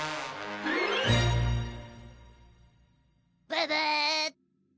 ブブー！